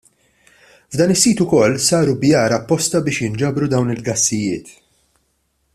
F'dan is-sit ukoll saru bjar apposta biex jinġabru dawn il-gassijiet.